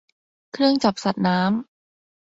เครื่องจับสัตว์น้ำ